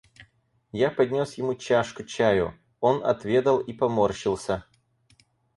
Я поднес ему чашку чаю; он отведал и поморщился.